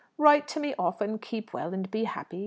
Write to me often, keep well, and be happy!"